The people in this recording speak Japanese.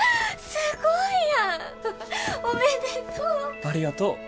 ありがとう！